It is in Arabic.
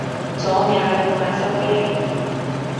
توم يعرف ما سوف يحدث.